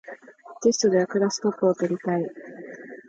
テストではクラスでトップを取りたい